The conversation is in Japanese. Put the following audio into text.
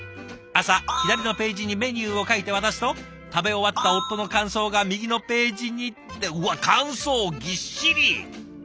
朝左のページにメニューを書いて渡すと食べ終わった夫の感想が右のページにってうわ感想ぎっしり！